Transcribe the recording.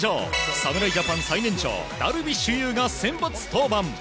侍ジャパン最年長ダルビッシュ有が先発登板。